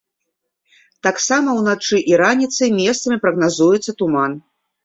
Таксама ўначы і раніцай месцамі прагназуецца туман.